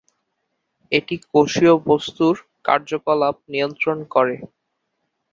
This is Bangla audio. এটি কোষীয় বস্তুর কার্যকলাপ নিয়ন্ত্রণ করে।